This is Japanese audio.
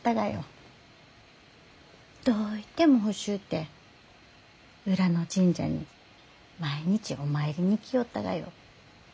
どういても欲しゅうて裏の神社に毎日お参りに行きよったがよ。